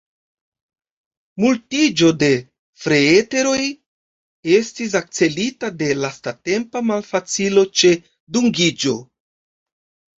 Multiĝo de freeter-oj estis akcelita de lastatempa malfacilo ĉe dungiĝo.